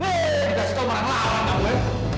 hei dikasih tahu marah marah kamu ya